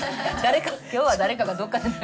今日は誰かがどっかで泣いてる。